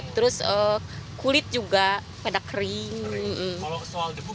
terus kulit juga pada kering